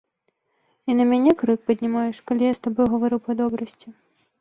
І на мяне крык паднімаеш, калі я з табой гавару па добрасці.